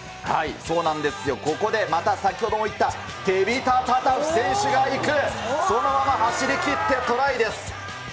そうなんですよ、ここでまた先ほどもいった、テビタ・タタフ選手が行く、そのまま走りきってトライです。